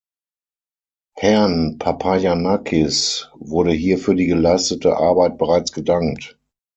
Herrn Papayannakis wurde hier für die geleistete Arbeit bereits gedankt.